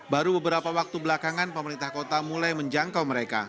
baru beberapa waktu belakangan pemerintah kota mulai menjangkau mereka